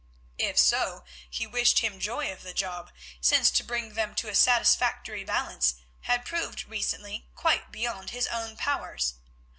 If so, he wished him joy of the job, since to bring them to a satisfactory balance had proved recently quite beyond his own powers.